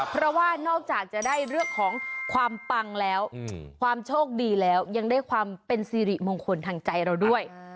เพราะว่านอกจากจะได้เรื่องของความปังแล้วความโชคดีแล้วยังได้ความเป็นสิริมงคลทางใจเราด้วย